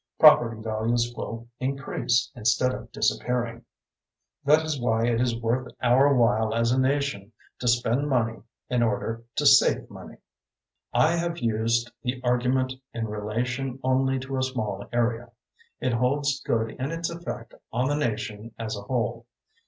Property values will increase instead of disappearing. That is why it is worth our while as a nation to spend money in order to save money. I have used the argument in relation only to a small area. It holds good in its effect on the nation as a whole.